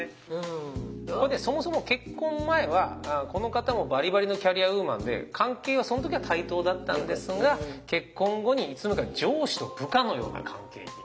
これねそもそも結婚前はこの方もバリバリのキャリアウーマンで関係はその時は対等だったんですが結婚後にいつのまにか上司と部下のような関係に。